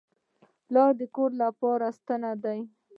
پلار د کور لپاره ستنه ده.